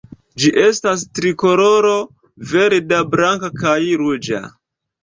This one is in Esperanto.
Ĝi estas trikoloro verda, blanka kaj ruĝa.